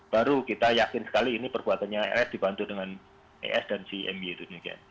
baru kita yakin sekali ini perbuatannya rs dibantu dengan as dan si my itu